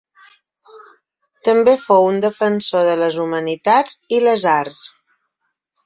També fou un defensor de les humanitats i les arts.